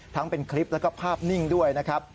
ทั้งเป็นคลิปแล้วก็ภาพนิ่งด้วยนะครับ